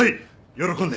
喜んで。